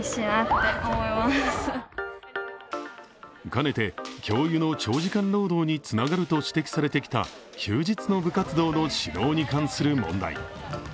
かねて教諭の長時間労働につながると指摘されてきた休日の部活動の指導に関する問題。